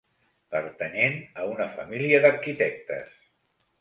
Pertanyent a una família d'arquitectes.